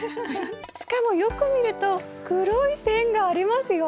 しかもよく見ると黒い線がありますよ。